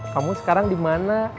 kamu sekarang di mana